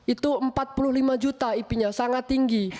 itu empat puluh lima juta ip nya sangat tinggi